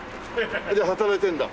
じゃあ働いてるんだ？